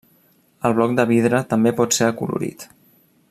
El bloc de vidre també pot ser acolorit.